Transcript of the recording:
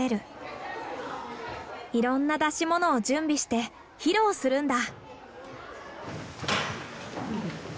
いろんな出し物を準備して披露するんだ。